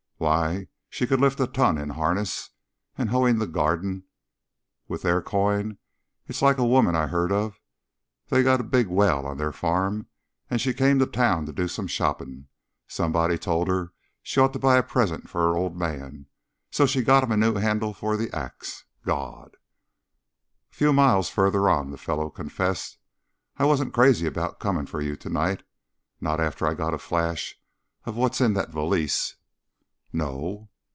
Why, she could lift a ton, in harness. And hoein' the garden, with their coin! It's like a woman I heard of: they got a big well on their farm and she came to town to do some shoppin'; somebody told her she'd ought to buy a present for her old man, so she got him a new handle for the ax. Gawd!" A few miles farther on the fellow confessed: "I wasn't crazy about comin' for you to night. Not after I got a flash at what's in that valise." "No?"